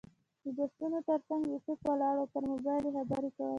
د بسونو تر څنګ یوسف ولاړ و او پر موبایل یې خبرې کولې.